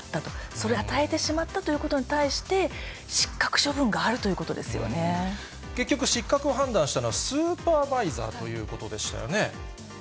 それを与えてしまったということに対して、失格処分があるという結局、失格を判断したのはスーパーバイザーということでしたよね。